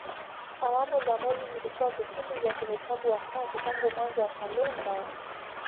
Awamu za mwezi zilikuwa vipindi vya kuhesabu wakati tangu mwanzo wa kalenda.